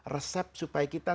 resep supaya kita